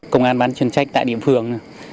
công an bán chuyên trách tại địa phương